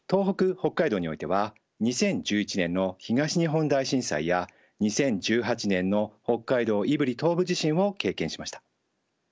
北海道においては２０１１年の東日本大震災や２０１８年の北海道胆振東部地震を経験しました。